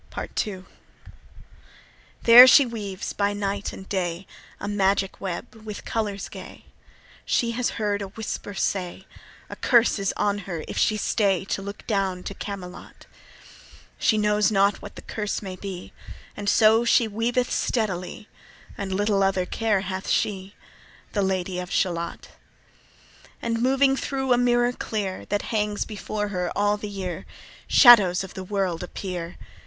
Part II. There she weaves by night and day A magic web with colours gay. She has heard a whisper say, A curse is on her if she stay To look down to Camelot. She knows not what the curse may be, And so she weaveth steadily, And little other care hath she, The Lady of Shalott. And moving thro' a mirror clear That hangs before her all the year, Shadows of the world appear.